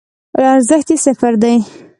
ارزښت یی صفر دی